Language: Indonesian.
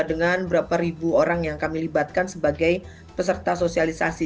dengan berapa ribu orang yang kami libatkan sebagai peserta sosialisasi